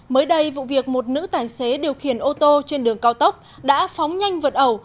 mới đây vụ việc một nữ tài xế điều khiển ô tô trên đường cao tốc đã phóng nhanh vượt ẩu